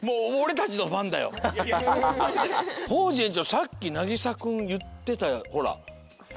さっきなぎさくんいってたほら。